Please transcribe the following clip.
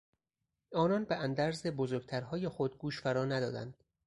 آنان به اندرز بزرگترهای خود گوش فرا ندادند.